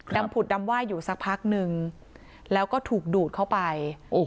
ผุดดำไหว้อยู่สักพักนึงแล้วก็ถูกดูดเข้าไป